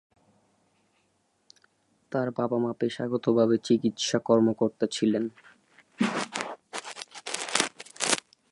তার বাবা-মা পেশাগতভাবে চিকিৎসা কর্মকর্তা ছিলেন।